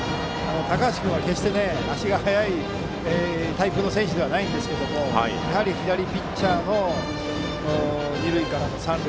高橋君は決して足が速いタイプの選手ではないんですけども左ピッチャーの時、二塁から三塁。